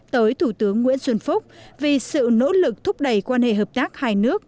tới thủ tướng nguyễn xuân phúc vì sự nỗ lực thúc đẩy quan hệ hợp tác hai nước